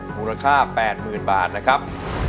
มูลค่า๘๐๐๐บาทนะครับ